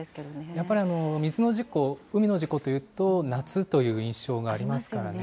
やっぱり水の事故、海の事故というと、夏という印象がありますからね。